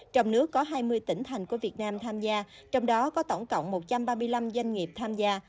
trong nước có hai mươi tỉnh thành của việt nam tham gia trong đó có tổng cộng một trăm ba mươi năm doanh nghiệp tham gia